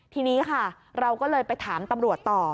ทีนี้ค่ะเราก็เลยไปถามตำรวจต่อ